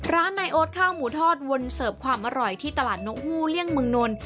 นายโอ๊ตข้าวหมูทอดวนเสิร์ฟความอร่อยที่ตลาดนกฮู่เลี่ยงเมืองนนท์